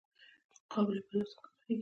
قابلي پلاو څنګه پخیږي؟